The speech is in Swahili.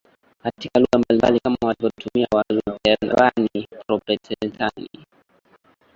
katika lugha mbalimbali kama walivyotumia Walutherani Protestanti